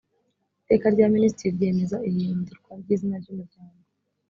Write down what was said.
iteka rya minisitiri ryemeza ihindurwa ry izina ry umuryango